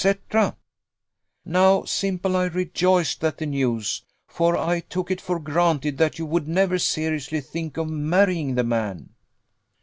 Now simple I rejoiced at the news; for I took it for granted you would never seriously think of marrying the man."